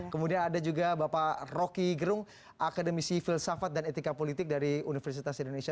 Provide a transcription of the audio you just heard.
kemudian ada juga bapak rocky gerung akademisi filsafat dan etika politik dari universitas indonesia